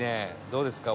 どうですか？